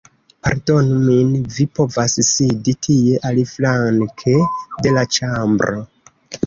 Pardonu min vi povas sidi tie aliflanke de la ĉambro!